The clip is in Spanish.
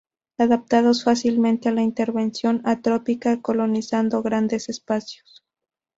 Adaptados fácilmente a la intervención antrópica colonizando grandes espacios.